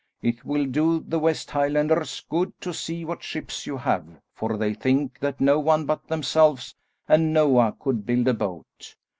It will do the west Highlanders good to see what ships you have, for they think that no one but themselves and Noah could build a boat.